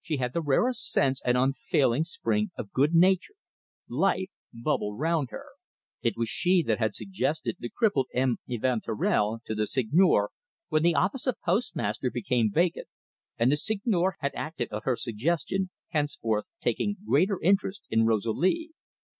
She had the rarest sense and an unfailing spring of good nature life bubbled round her. It was she that had suggested the crippled M. Evanturel to the Seigneur when the office of postmaster became vacant, and the Seigneur had acted on her suggestion, henceforth taking greater interest in Rosalie.